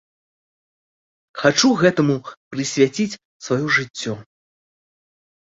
Хачу гэтаму прысвяціць сваё жыццё.